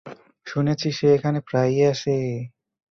শুনেছি সে এখানে প্রায়ই আসে।